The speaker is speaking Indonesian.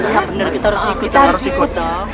ya bener kita harus ikut